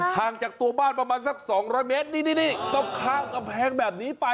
ห่างจากตัวบ้านประมาณสักสองร้อยเมตรนี่นี่นี่ต้องข้างกำแพงแบบนี้ไปอ่ะ